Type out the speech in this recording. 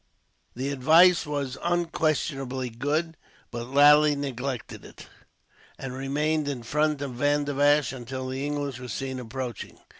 The advice was unquestionably good, but Lally neglected it, and remained in front of Vandivash until the English were seen approaching.